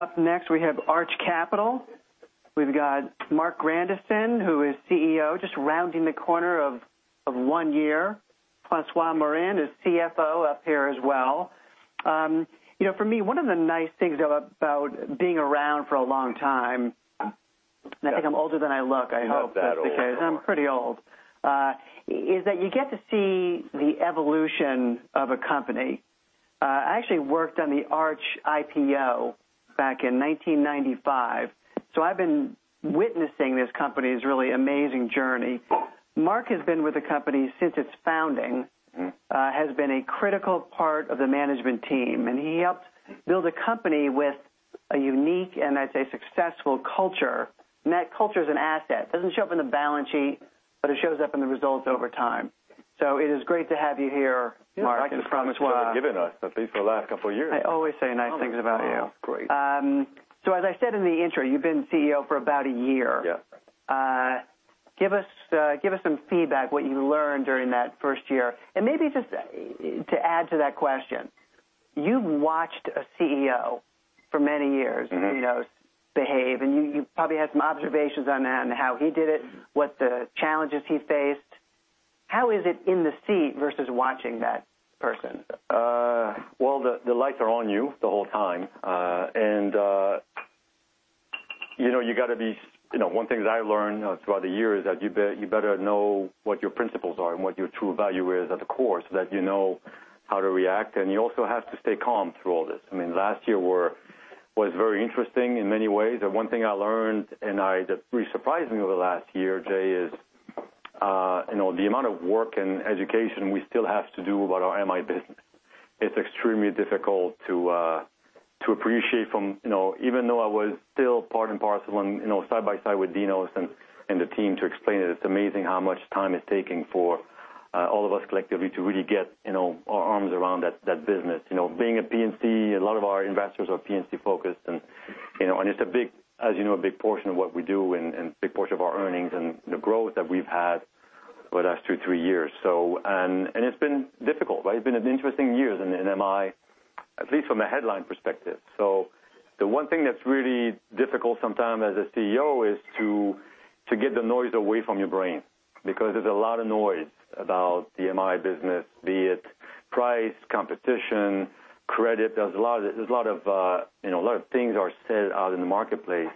Up next we have Arch Capital. We've got Marc Grandisson, who is CEO, just rounding the corner of one year. François Morin is CFO up here as well. For me, one of the nice things about being around for a long time, and I think I'm older than I look, I hope- Not that old because I'm pretty old, is that you get to see the evolution of a company. I actually worked on the Arch IPO back in 1995, so I've been witnessing this company's really amazing journey. Marc has been with the company since its founding. Has been a critical part of the management team, and he helped build a company with a unique, and I'd say, successful culture. That culture is an asset. Doesn't show up in the balance sheet, but it shows up in the results over time. It is great to have you here, Marc- Yeah. François. Thanks for giving us, I think, for the last couple of years. I always say nice things about you. Great. As I said in the intro, you've been CEO for about a year. Yeah. Give us some feedback, what you learned during that first year, and maybe just to add to that question. You've watched a CEO for many years. behave, and you probably have some observations on that and how he did it. what the challenges he faced. How is it in the seat versus watching that person? The lights are on you the whole time. One thing that I learned throughout the year is that you better know what your principles are and what your true value is at the core, so that you know how to react. You also have to stay calm through all this. Last year was very interesting in many ways, one thing I learned, and that really surprised me over the last year, Jay, is the amount of work and education we still have to do about our MI business. It's extremely difficult to appreciate from Even though I was still part and parcel and side by side with Dinos and the team to explain it's amazing how much time it's taking for all of us collectively to really get our arms around that business. Being a P&C, a lot of our investors are P&C-focused, it's, as you know, a big portion of what we do and big portion of our earnings and the growth that we've had over the last two, three years. It's been difficult. It's been an interesting year in MI, at least from a headline perspective. The one thing that's really difficult sometimes as a CEO is to get the noise away from your brain, because there's a lot of noise about the MI business, be it price, competition, credit. A lot of things are said out in the marketplace.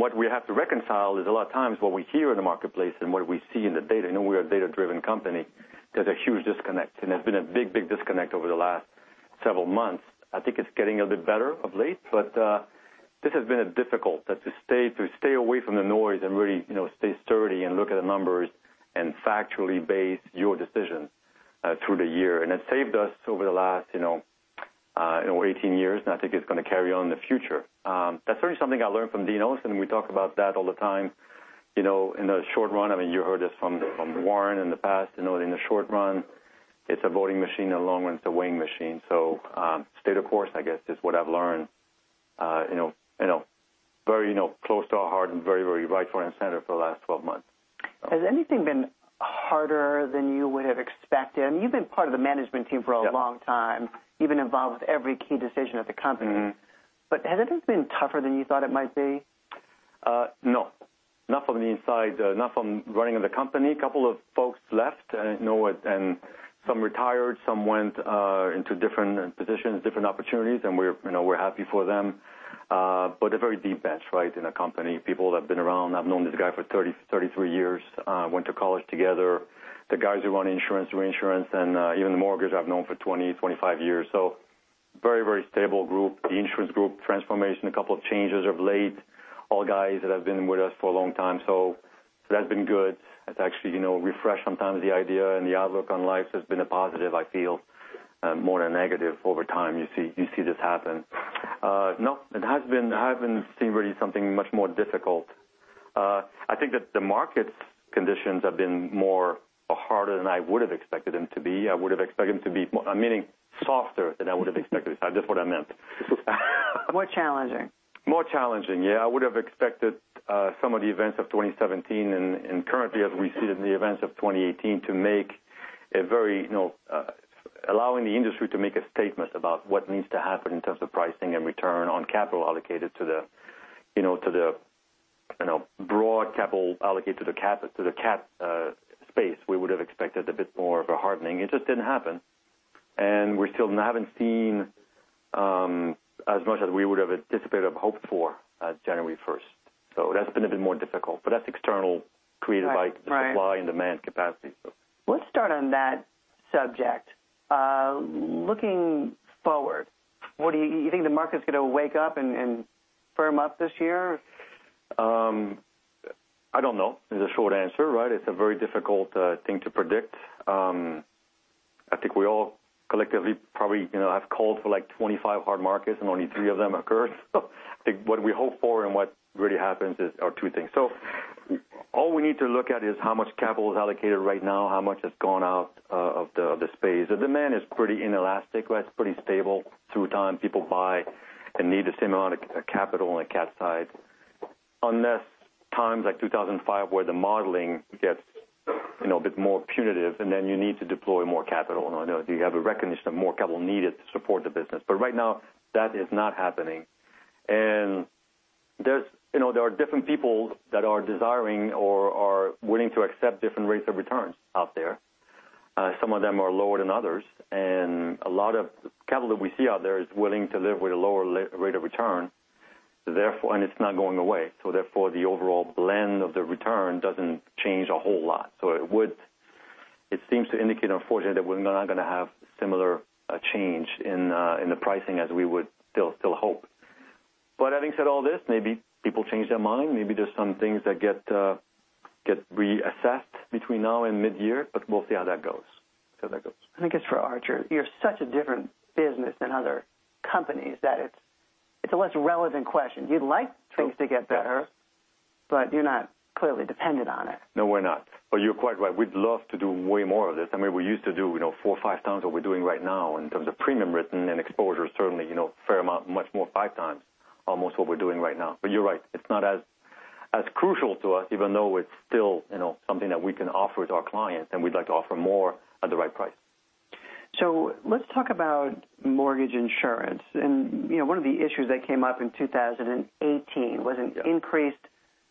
What we have to reconcile is a lot of times what we hear in the marketplace and what we see in the data, I know we are a data-driven company. There's a huge disconnect, and there's been a big disconnect over the last several months. I think it's getting a bit better of late, this has been difficult, to stay away from the noise and really stay sturdy and look at the numbers and factually base your decision through the year. It saved us over the last 18 years, and I think it's going to carry on in the future. That's really something I learned from Dinos, we talk about that all the time. In the short run, you heard this from Warren in the past. In the short run, it's a voting machine. In the long run, it's a weighing machine. Stay the course, I guess, is what I've learned. Very close to heart and very right front and center for the last 12 months. Has anything been harder than you would have expected? You've been part of the management team for a long time. Yeah. You've been involved with every key decision of the company. Has anything been tougher than you thought it might be? No, not from the inside, not from running of the company. A couple of folks left, some retired, some went into different positions, different opportunities, and we're happy for them. A very deep bench in the company. People that have been around. I've known this guy for 33 years, went to college together. The guys who run insurance, reinsurance, and even the mortgage, I've known for 20, 25 years. Very stable group. The insurance group transformation, a couple of changes of late. All guys that have been with us for a long time. That's been good. It's actually refresh sometimes the idea and the outlook on life has been a positive, I feel, more than negative over time. You see this happen. No, I haven't seen really something much more difficult. I think that the market conditions have been more harder than I would have expected them to be. I would have expected them to be, I'm meaning softer than I would have expected. That's just what I meant. More challenging. More challenging, yeah. I would have expected some of the events of 2017 and currently as we see it in the events of 2018, allowing the industry to make a statement about what needs to happen in terms of pricing and return on capital allocated to the broad capital allocated to the cat space. We would have expected a bit more of a hardening. It just didn't happen. We still haven't seen as much as we would have anticipated, hoped for as January 1st. That's been a bit more difficult, but that's external created by- Right the supply and demand capacity. Let's start on that subject. Looking forward, you think the market's going to wake up and firm up this year? I don't know is the short answer. It's a very difficult thing to predict. I think we all collectively probably have called for like 25 hard markets and only three of them occurred. I think what we hope for and what really happens are two things. All we need to look at is how much capital is allocated right now, how much has gone out of the space. The demand is pretty inelastic. It's pretty stable through time. People buy and need the same amount of capital on the cat side. Unless times like 2005, where the modeling gets a bit more punitive and then you need to deploy more capital, and you have a recognition of more capital needed to support the business. Right now that is not happening. There are different people that are desiring or are willing to accept different rates of returns out there. Some of them are lower than others, and a lot of capital that we see out there is willing to live with a lower rate of return, and it's not going away. Therefore, the overall blend of the return doesn't change a whole lot. It seems to indicate, unfortunately, that we're not going to have similar change in the pricing as we would still hope. Having said all this, maybe people change their mind. Maybe there's some things that get reassessed between now and mid-year, but we'll see how that goes. I think it's for Arch. You're such a different business than other companies that it's a less relevant question. You'd like things to get better, but you're not clearly dependent on it. No, we're not. You're quite right. We'd love to do way more of this. We used to do four or five times what we're doing right now in terms of premium written and exposure certainly, a fair amount, much more, five times almost what we're doing right now. You're right, it's not as crucial to us, even though it's still something that we can offer to our clients, and we'd like to offer more at the right price. Let's talk about mortgage insurance. One of the issues that came up in 2018 was an increased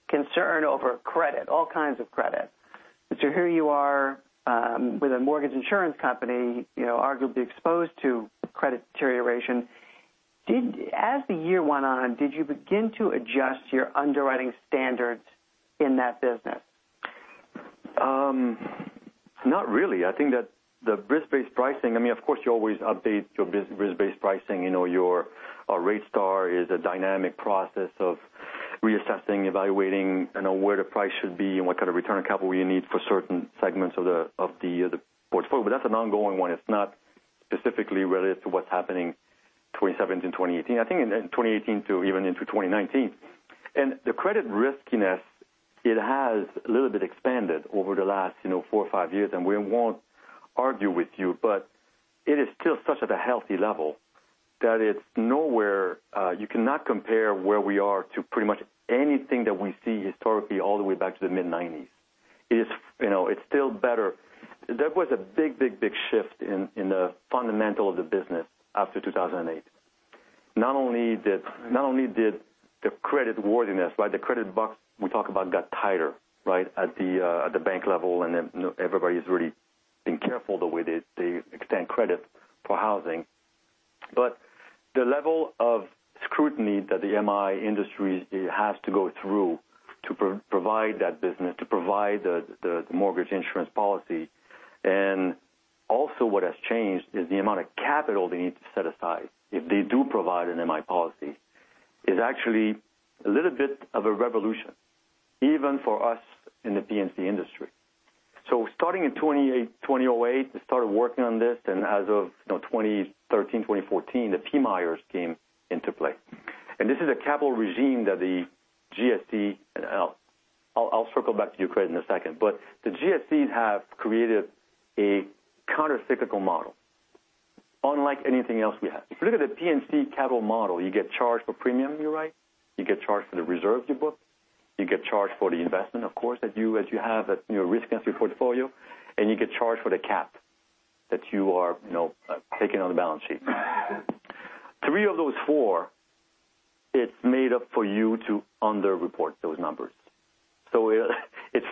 concern over credit, all kinds of credit. Here you are with a mortgage insurance company, arguably exposed to credit deterioration. As the year went on, did you begin to adjust your underwriting standards in that business? Not really. I think that the risk-based pricing, of course, you always update your risk-based pricing. Our RateStar is a dynamic process of reassessing, evaluating where the price should be and what kind of return capital you need for certain segments of the portfolio. That's an ongoing one. It's not specifically related to what's happening 2017, 2018. I think in 2018 to even into 2019. The credit riskiness, it has a little bit expanded over the last four or five years, and we won't argue with you, but it is still such at a healthy level that you cannot compare where we are to pretty much anything that we see historically all the way back to the mid-'90s. It's still better. There was a big shift in the fundamental of the business after 2008. Not only did the credit worthiness, the credit box we talk about got tighter at the bank level, and then everybody's really being careful the way they extend credit for housing. The level of scrutiny that the MI industry has to go through to provide that business, to provide the mortgage insurance policy, and also what has changed is the amount of capital they need to set aside if they do provide an MI policy, is actually a little bit of a revolution, even for us in the P&C industry. Starting in 2008, we started working on this, and as of 2013, 2014, the PMIERs came into play. This is a capital regime that the GSE and-- I'll circle back to your credit in a second, but the GSEs have created a countercyclical model unlike anything else we have. If you look at the P&C capital model, you get charged for premium you write, you get charged for the reserves you book, you get charged for the investment, of course, that you have at your risk and your portfolio, and you get charged for the cap that you are taking on the balance sheet. Three of those four, it's made up for you to underreport those numbers. It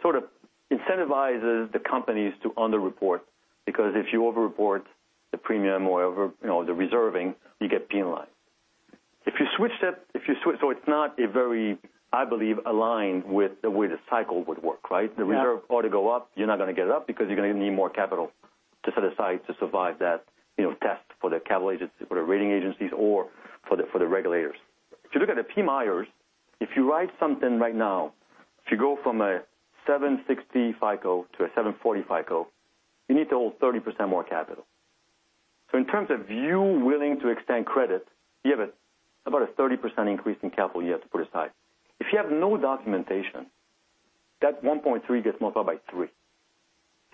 sort of incentivizes the companies to underreport because if you over-report the premium or the reserving, you get penalized. If you switch that, so it's not a very, I believe, aligned with the way the cycle would work, right? Yeah. The reserve ought to go up. You're not going to get it up because you're going to need more capital to set aside to survive that test for the capital agency, for the rating agencies, or for the regulators. If you look at the PMIERs, if you write something right now, if you go from a 760 FICO to a 740 FICO, you need to hold 30% more capital. In terms of you willing to extend credit, you have about a 30% increase in capital you have to put aside. If you have no documentation, that 1.3 gets multiplied by three.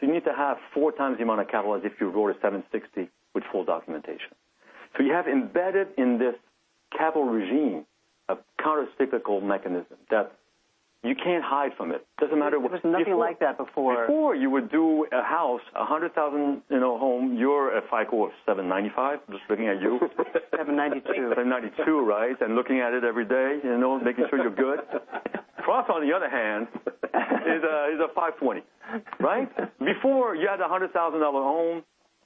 You need to have four times the amount of capital as if you wrote a 760 with full documentation. You have embedded in this capital regime a countercyclical mechanism that you can't hide from it. There was nothing like that before. Before you would do a house, a $100,000 home. You're a FICO of 795, just looking at you. 792. 792, right? Looking at it every day, making sure you're good. Trump, on the other hand, is a 520, right? Before you had a $100,000 home,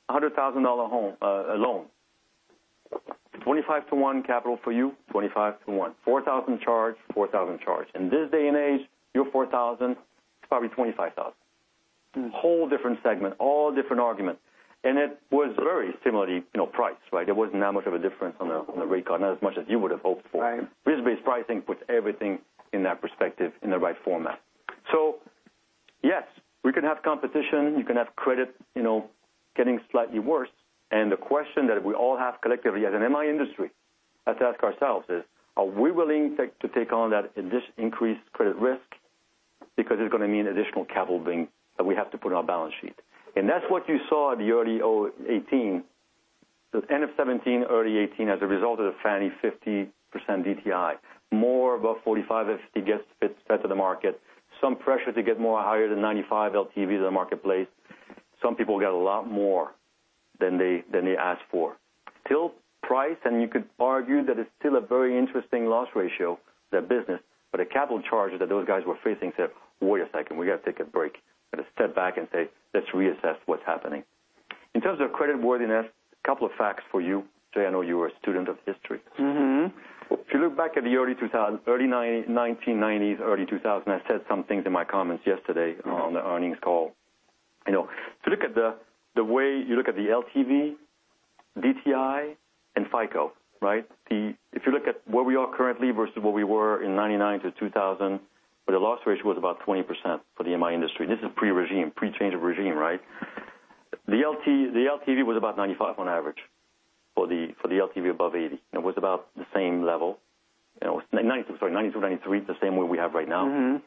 a $100,000 loan. 25 to one capital for you, 25 to one, a 4,000 charge. In this day and age, your 4,000, it's probably 25,000. Whole different segment, all different argument. It was very similarly priced, right? There wasn't that much of a difference on the rate card, not as much as you would've hoped for. Right. Risk-based pricing puts everything in that perspective in the right format. Yes, we can have competition. You can have credit getting slightly worse. The question that we all have collectively as an MI industry have to ask ourselves is, are we willing to take on that increased credit risk? It's going to mean additional capital that we have to put on our balance sheet. That's what you saw at the early 2018. End of 2017, early 2018, as a result of the Fannie 50% DTI, more above 45 if it gets fed to the market. Some pressure to get more higher than 95 LTVs in the marketplace. Some people get a lot more than they ask for. Still price, you could argue that it's still a very interesting loss ratio, that business, a capital charge that those guys were facing said, "Wait a second. We got to take a break. Got to step back and say, let's reassess what's happening." In terms of creditworthiness, a couple of facts for you. Jay, I know you are a student of history. If you look back at the early 1990s, early 2000s, I said some things in my comments yesterday- on the earnings call. If you look at the LTV, DTI, and FICO, right? If you look at where we are currently versus where we were in 1999 to 2000, where the loss ratio was about 20% for the MI industry, this is pre-regime, pre-change of regime, right? The LTV was about 95 on average for the LTV above 80. It was about the same level. Sorry, 1992, 1993, the same way we have right now.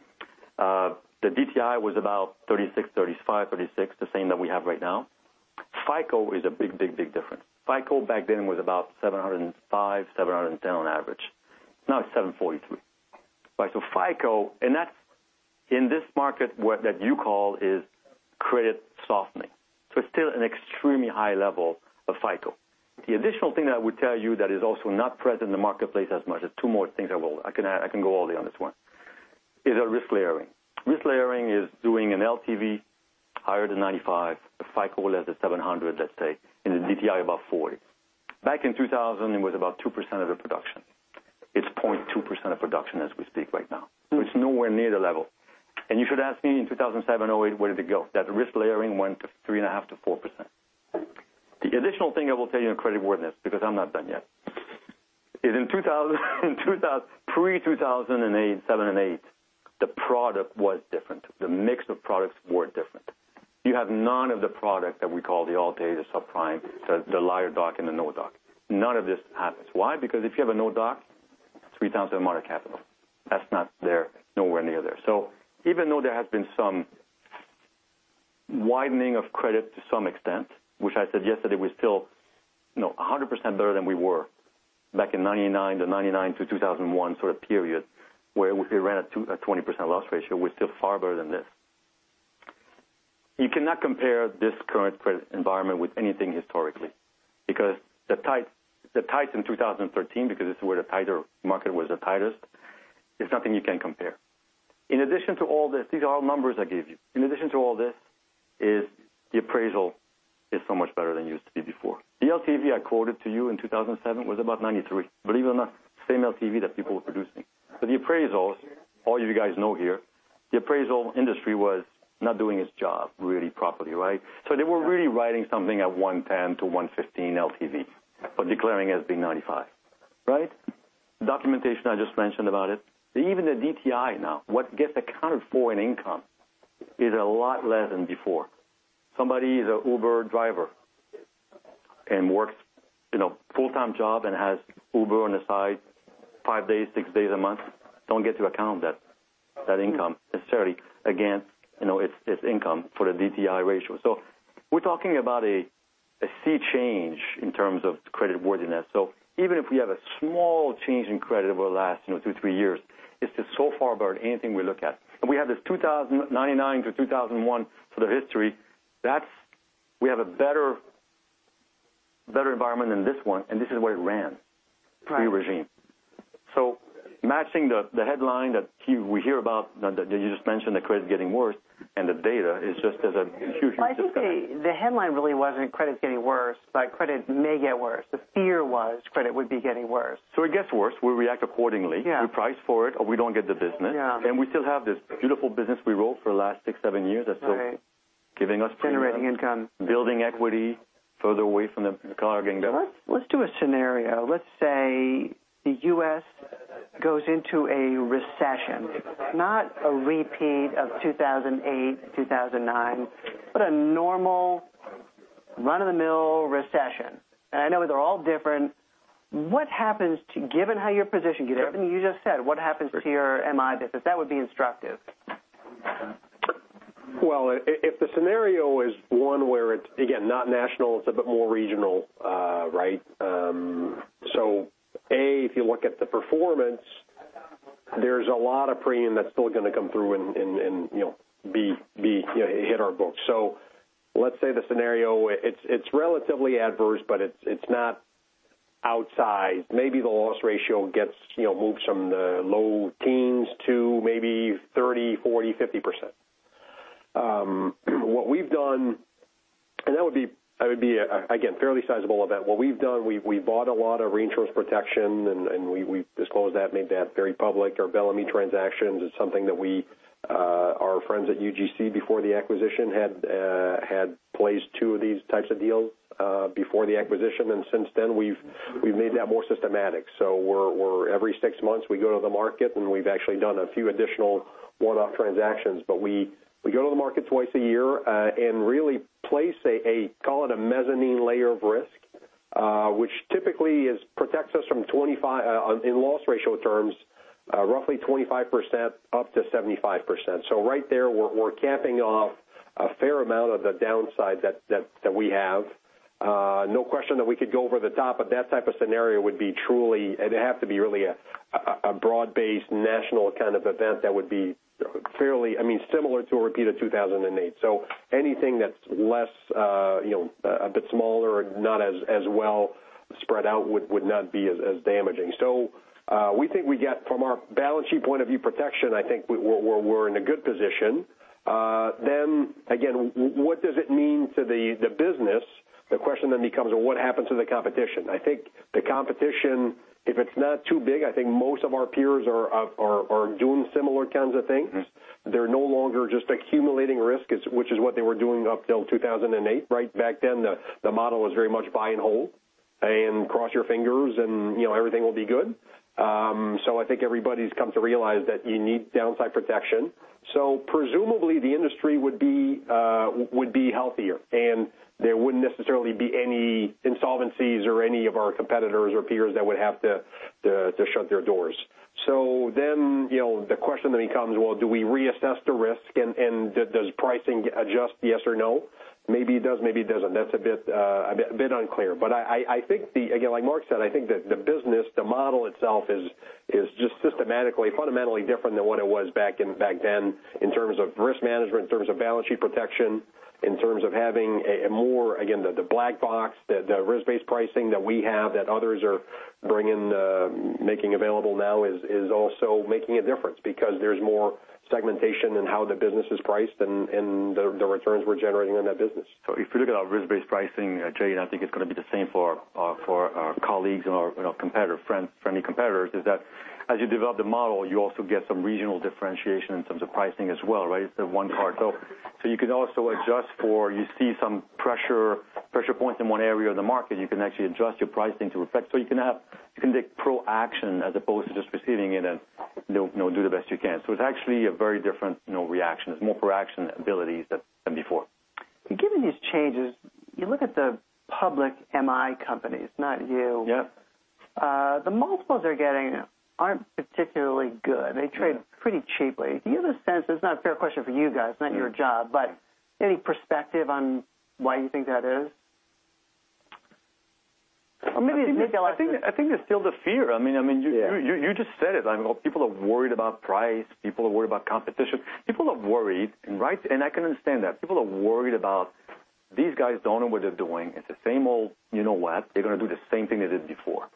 The DTI was about 36, 35, 36, the same that we have right now. FICO is a big, big, big difference. FICO back then was about 705, 710 on average. Now it's 743, right? FICO, and that's in this market that you call is credit softening. It's still an extremely high level of FICO. The additional thing that I would tell you that is also not present in the marketplace as much as two more things I can go all day on this one, is our risk layering. Risk layering is doing an LTV higher than 95, a FICO less than 700, let's say, and a DTI above 40. Back in 2000, it was about 2% of the production. It's 0.2% of production as we speak right now. It's nowhere near the level. You should ask me in 2007, 2008, where did it go? That risk layering went to 3.5%-4%. The additional thing I will tell you on creditworthiness, because I'm not done yet, is pre-2008, 2007 and 2008, the product was different. The mix of products were different. You have none of the product that we call the Alt-A to subprime, so the liar doc and the no-doc. None of this happens. Why? Because if you have a no-doc, it's $3,000 amount of capital. That's not there, nowhere near there. Even though there has been some widening of credit to some extent, which I said yesterday was still 100% better than we were back in 1999 to 2001 sort of period, where we ran a 20% loss ratio, we're still far better than this. You cannot compare this current credit environment with anything historically, because the tight in 2013, this is where the tighter market was the tightest, is nothing you can compare. These are all numbers I gave you. In addition to all this, is the appraisal is so much better than it used to be before. The LTV I quoted to you in 2007 was about 93. Believe it or not, same LTV that people were producing. The appraisals, all you guys know here, the appraisal industry was not doing its job really properly, right? They were really writing something at 110-115 LTV, but declaring it as being 95, right? Documentation, I just mentioned about it. Even the DTI now, what gets accounted for in income is a lot less than before. Somebody is an Uber driver and works full-time job and has Uber on the side five days, six days a month, don't get to account that income necessarily against its income for the DTI ratio. We're talking about a sea change in terms of creditworthiness. Even if we have a small change in credit over the last two, three years, it's just so far above anything we look at. We have this 1999 to 2001 sort of history. We have a better environment than this one, this is where it ran. Right pre-regime. Matching the headline that we hear about, that you just mentioned, that credit's getting worse, and the data is just a huge disconnect. Well, I think the headline really wasn't credit's getting worse, credit may get worse. The fear was credit would be getting worse. It gets worse. We react accordingly. Yeah. We price for it, we don't get the business. Yeah. We still have this beautiful business we wrote for the last six, seven years that's still. Right Giving us premium. Generating income. Building equity further away from the color gango. Let's do a scenario. Let's say the U.S. goes into a recession. Not a repeat of 2008, 2009, but a normal run-of-the-mill recession. I know they're all different. Given how you're positioned, given everything you just said, what happens to your MI business? That would be instructive. Well, if the scenario is one where it's, again, not national, it's a bit more regional, right? A, if you look at the performance, there's a lot of premium that's still going to come through and hit our books. Let's say the scenario, it's relatively adverse, but it's not outsized. Maybe the loss ratio gets moved from the low teens to maybe 30%, 40%, 50%. That would be, again, fairly sizable event. What we've done, we've bought a lot of reinsurance protection, and we've disclosed that, made that very public. Our Bellemeade transactions is something that our friends at UGC, before the acquisition, had placed two of these types of deals before the acquisition. Since then, we've made that more systematic. Every six months, we go to the market, and we've actually done a few additional one-off transactions. We go to the market twice a year and really place a, call it a mezzanine layer of risk. Which typically protects us, in loss ratio terms, roughly 25% up to 75%. Right there, we're capping off a fair amount of the downside that we have. No question that we could go over the top, but that type of scenario would be truly, it'd have to be really a broad-based national kind of event that would be similar to a repeat of 2008. Anything that's less, a bit smaller or not as well spread out would not be as damaging. We think we get, from our balance sheet point of view protection, I think we're in a good position. Again, what does it mean to the business? The question then becomes, well, what happens to the competition? I think the competition, if it's not too big, I think most of our peers are doing similar kinds of things. They're no longer just accumulating risk, which is what they were doing up till 2008. Back then, the model was very much buy and hold, and cross your fingers, and everything will be good. I think everybody's come to realize that you need downside protection. Presumably, the industry would be healthier, and there wouldn't necessarily be any insolvencies or any of our competitors or peers that would have to shut their doors. The question then becomes, well, do we reassess the risk, and does pricing adjust, yes or no? Maybe it does, maybe it doesn't. That's a bit unclear. I think, again, like Marc said, I think that the business, the model itself is just systematically, fundamentally different than what it was back then in terms of risk management, in terms of balance sheet protection, in terms of having a more, again, the black box, the risk-based pricing that we have that others are making available now is also making a difference because there's more segmentation in how the business is priced and the returns we're generating on that business. If you look at our risk-based pricing, Jay, and I think it's going to be the same for our colleagues and our friendly competitors, is that as you develop the model, you also get some regional differentiation in terms of pricing as well, right? It's the one part. You can also adjust for, you see some pressure points in one area of the market, you can actually adjust your pricing to reflect. You can take pro-action as opposed to just receiving it and do the best you can. It's actually a very different reaction. It's more pro-action ability than before. Given these changes, you look at the public MI companies, not you. Yep. The multiples they're getting aren't particularly good. They trade pretty cheaply. Do you have a sense, it's not a fair question for you guys, it's not your job, but any perspective on why you think that is? Maybe, Michel. I think it's still the fear. Yeah. You just said it. People are worried about price. People are worried about competition. People are worried, and I can understand that. People are worried about these guys don't know what they're doing. It's the same old you know what. They're going to do the same thing they did before.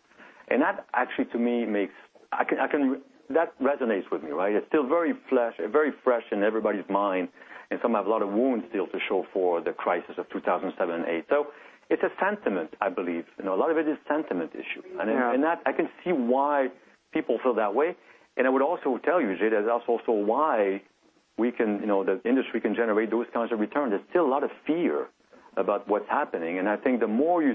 That resonates with me. It's still very fresh in everybody's mind, and some have a lot of wounds still to show for the crisis of 2007 and 2008. It's a sentiment, I believe. A lot of it is sentiment issue. Yeah. I can see why people feel that way, I would also tell you, Jay, that's also why the industry can generate those kinds of returns. There's still a lot of fear about what's happening, I think the more you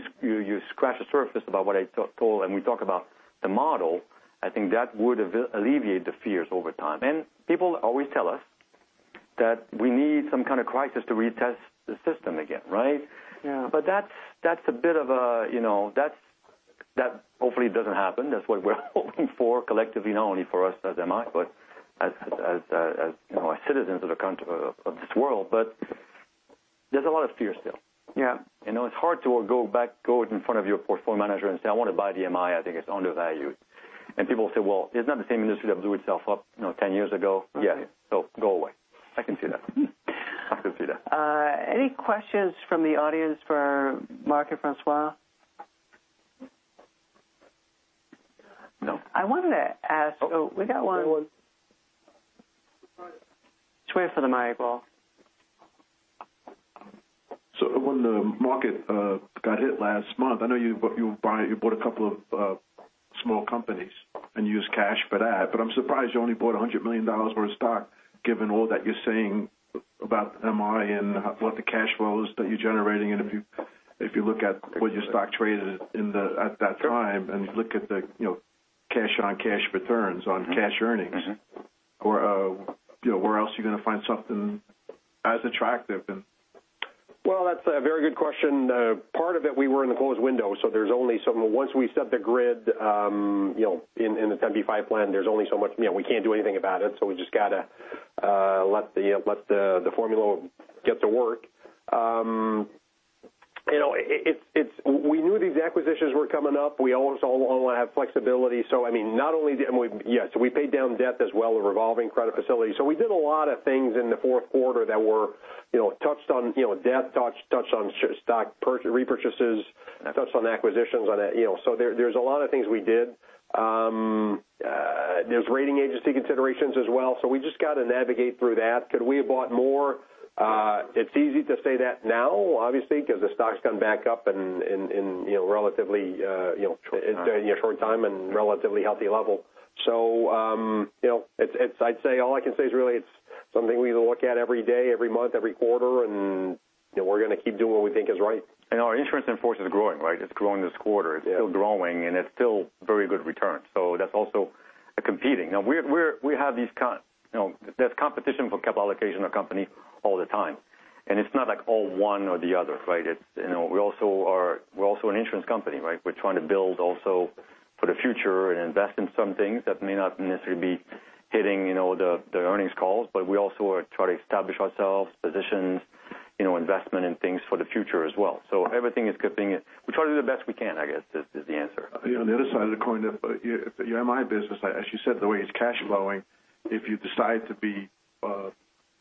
scratch the surface about what I told, and we talk about the model, I think that would alleviate the fears over time. People always tell us that we need some kind of crisis to retest the system again, right? Yeah. That hopefully doesn't happen. That's what we're hoping for collectively, not only for us as MI, but as citizens of this world. There's a lot of fear still. Yeah. It's hard to go back, go in front of your portfolio manager and say, "I want to buy the MI. I think it's undervalued." People say, "Well, isn't that the same industry that blew itself up 10 years ago? Yeah. Go away." I can see that. I can see that. Any questions from the audience for Marc or François? No. I wanted to oh, we got one. We got one. Just wait for the mic, Paul. When the market got hit last month, I know you bought a couple of small companies and used cash for that, but I'm surprised you only bought $100 million worth of stock given all that you're saying about MI and what the cash flow is that you're generating. If you look at what your stock traded at that time, and look at the cash on cash returns on cash earnings. where else are you going to find something as attractive and. Well, that's a very good question. Part of it, we were in the closed window, once we set the grid in the 10b5-1 plan, we can't do anything about it, we just got to let the formula get to work. We knew these acquisitions were coming up. We always all along had flexibility. We paid down debt as well as revolving credit facility. We did a lot of things in the fourth quarter that touched on debt, touched on stock repurchases, touched on acquisitions. There's a lot of things we did. There's rating agency considerations as well. We just got to navigate through that. Could we have bought more? It's easy to say that now, obviously, because the stock's gone back up in. Short time. I'd say all I can say is really it's something we look at every day, every month, every quarter, and we're going to keep doing what we think is right. Our insurance in force is growing. It's growing this quarter. Yeah. It's still growing, and it's still very good returns. That's also competing. There's competition for capital allocation in our company all the time, and it's not like all one or the other, right? We're also an insurance company, right? We're trying to build also for the future and invest in some things that may not necessarily be hitting the earnings calls, but we also are trying to establish ourselves, positions, investment in things for the future as well. Everything is competing. We try to do the best we can, I guess, is the answer. On the other side of the coin, the MI business, as you said, the way it's cash flowing, if you decide to be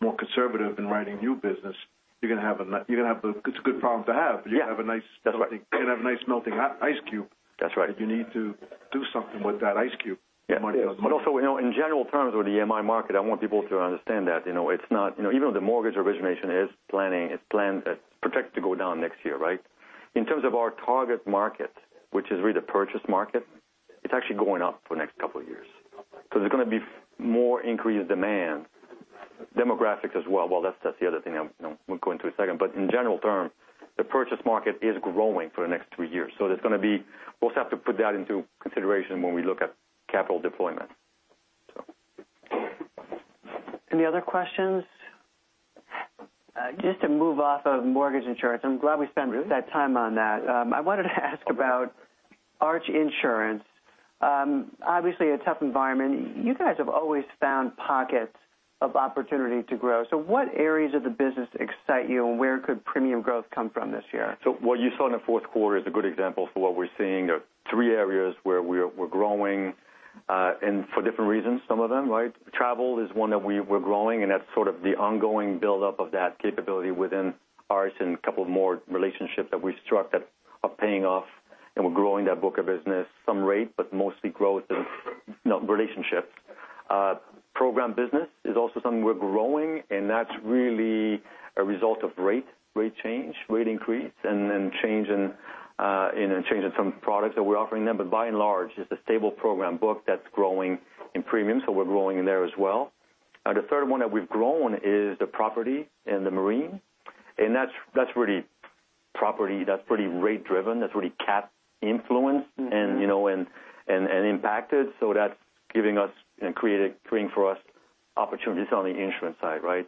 more conservative in writing new business, it's a good problem to have. Yeah. You're going to have a nice melting ice cube. That's right. You need to do something with that ice cube. Yeah. Also, in general terms with the MI market, I want people to understand that, even though the mortgage origination is planned, it's projected to go down next year, right? In terms of our target market, which is really the purchase market, it's actually going up for the next couple of years. There's going to be more increased demand, demographics as well. Well, that's the other thing we'll go into in a second, in general terms, the purchase market is growing for the next three years. We'll have to put that into consideration when we look at capital deployment. Any other questions? Just to move off of mortgage insurance, I'm glad we spent that time on that. I wanted to ask about Arch Insurance. Obviously a tough environment. You guys have always found pockets of opportunity to grow. What areas of the business excite you, and where could premium growth come from this year? What you saw in the fourth quarter is a good example for what we're seeing. There are three areas where we're growing, and for different reasons, some of them, right? Travel is one that we're growing, and that's sort of the ongoing buildup of that capability within Arch and a couple more relationships that we struck that are paying off, and we're growing that book of business. Some rate, but mostly growth of relationships. Program business is also something we're growing, and that's really a result of rate change, rate increase, and then change in some products that we're offering them. By and large, it's a stable program book that's growing in premium, so we're growing in there as well. The third one that we've grown is the property and the marine, and that's really property. That's pretty rate driven. That's really cap influenced and impacted. That's creating for us opportunities on the insurance side, right?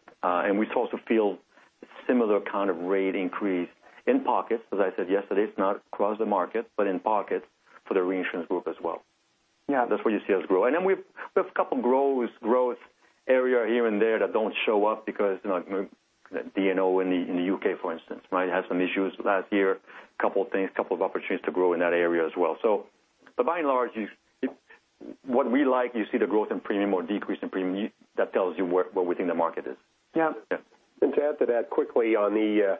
We also feel a similar kind of rate increase in pockets, as I said yesterday. It's not across the market, but in pockets for the reinsurance group as well. Yeah. That's where you see us grow. We have a couple growth area here and there that don't show up because D&O in the U.K., for instance, might have some issues last year. A couple of things, a couple of opportunities to grow in that area as well. By and large, what we like, you see the growth in premium or decrease in premium, that tells you where we think the market is. Yeah. To add to that quickly on the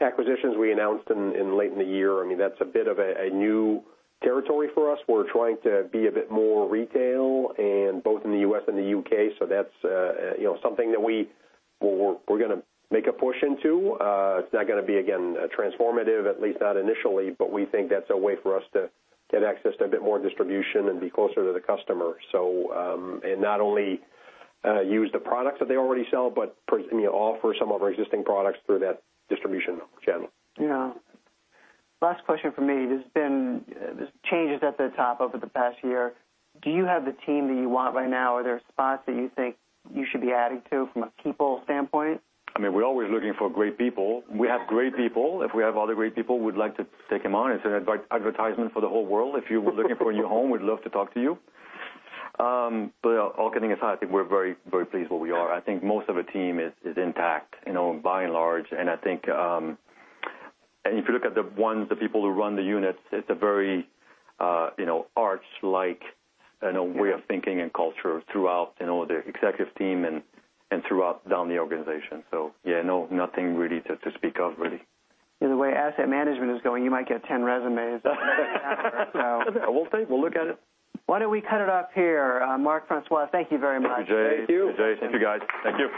acquisitions we announced late in the year, I mean, that's a bit of a new territory for us. We're trying to be a bit more retail both in the U.S. and the U.K. That's something that we're going to make a push into. It's not going to be, again, transformative, at least not initially. We think that's a way for us to get access to a bit more distribution and be closer to the customer. Not only use the products that they already sell, but offer some of our existing products through that distribution channel. Yeah. Last question from me. There's changes at the top over the past year. Do you have the team that you want right now? Are there spots that you think you should be adding to from a people standpoint? I mean, we're always looking for great people. We have great people. If we have other great people, we'd like to take them on. It's an advertisement for the whole world. If you were looking for a new home, we'd love to talk to you. All kidding aside, I think we're very pleased where we are. I think most of the team is intact by and large, and I think if you look at the people who run the units, it's a very Arch-like way of thinking and culture throughout the executive team and throughout, down the organization. Yeah, no, nothing really to speak of, really. The way asset management is going, you might get 10 resumes. We'll look at it. Why don't we cut it off here? Marc, François, thank you very much. Thank you, Jay. Thank you. Thank you, guys. Thank you.